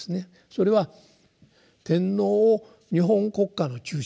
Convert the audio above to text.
それは天皇を日本国家の中心にすると。